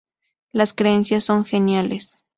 Las creencias son geniales.